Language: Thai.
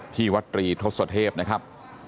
ที่วัดตรีทศเทพนะครับ